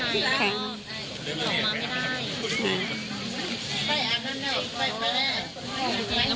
แข็ง